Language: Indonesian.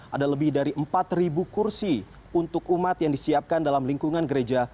ada lebih dari empat kursi untuk umat yang disiapkan dalam lingkungan gereja